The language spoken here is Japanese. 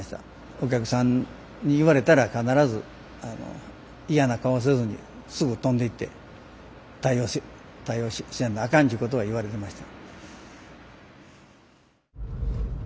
お客さんに言われたら必ず嫌な顔をせずにすぐ飛んでいって対応しやんとあかんちゅうことは言われてました。